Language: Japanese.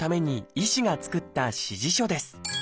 医師が作った指示書です。